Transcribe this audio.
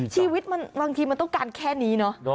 ชีวิตมันบางทีมันต้องการแค่นี้เนอะ